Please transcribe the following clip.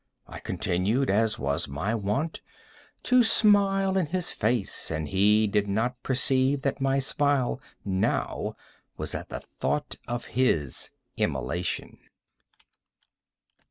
I continued, as was my wont, to smile in his face, and he did not perceive that my smile now was at the thought of his immolation.